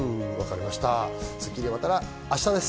『スッキリ』はまた明日です。